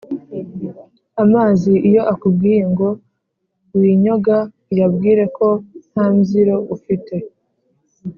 Amazi iyo akubwiye ngo winyoga uyabwira ko ntambyiro ufite